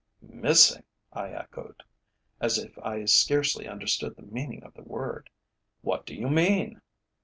"Missing?" I echoed, as if I scarcely understood the meaning of the word. "What do you mean?"